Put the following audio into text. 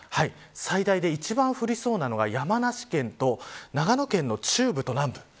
最大で、一番降りそうなのが山梨県と長野県の中部と南部。